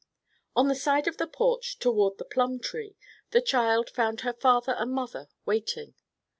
On the side of the porch toward the plum tree the child found her father and mother waiting.